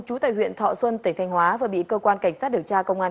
chú tài huyện thọ xuân tỉnh thanh hóa và bị cơ quan cảnh sát điều tra công an